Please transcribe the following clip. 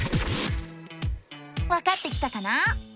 わかってきたかな？